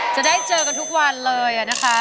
จะได้เจอกันทุกวันเลยนะคะ